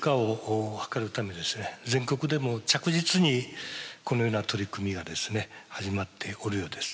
全国でも着実にこのような取り組みが始まっておるようです。